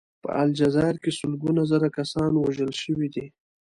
په الجزایر کې سلګونه زره کسان وژل شوي دي.